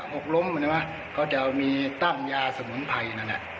หกล้มเขาจะมีตั้มยาสมมุมไพร